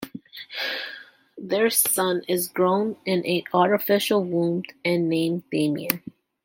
Their son is grown in an artificial womb and named Damian.